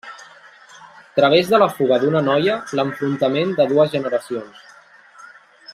Través de la fuga d'una noia, l'enfrontament de dues generacions.